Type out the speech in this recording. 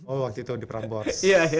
oh waktu itu di perambores